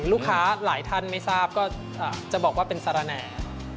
ลูกค้าหลายท่านไม่ทราบก็จะบอกว่าเป็นสารแหน่